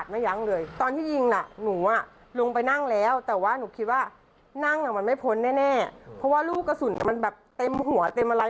เพราะว่าลูกกระสุนมันแบบเต็มหัวเต็มอะไร